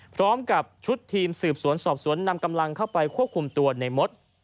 พร้อมกับชุดทีมสืบสวนสอบสวนนำกำลังเข้าไปควบคุมตัวในมด